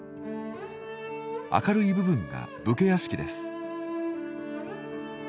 明るい部分が武家屋敷です。